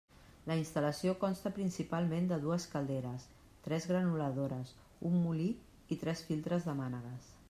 La instal·lació consta principalment de dues calderes, tres granuladores, un molí i tres filtres de mànegues.